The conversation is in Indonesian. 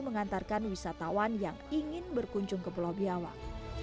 mengantarkan wisatawan yang ingin berkunjung ke pulau biawak